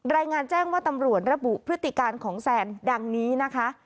รายงานแจ้งว่าตำรวจระบุพฤติการของแซนดังนี้นะคะ